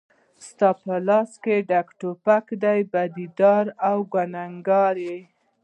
ستا په لاس کې ډک توپک دی بدي دار او ګنهګار یې